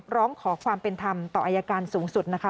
ร้องขอความเป็นธรรมต่ออายการสูงสุดนะคะ